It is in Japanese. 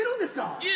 いえ